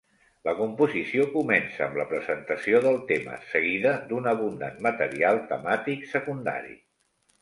La composició comença amb la presentació del tema, seguida d'un abundant material temàtic secundari.